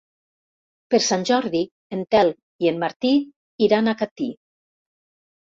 Per Sant Jordi en Telm i en Martí iran a Catí.